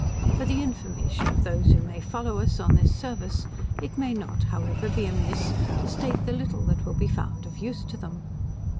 For the information of those who may follow us on this service, it may not, however, be amiss to state the little that will be found of use to them.